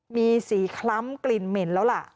มีสีคล้ำกลิ่นเหม็นแล้วล่ะ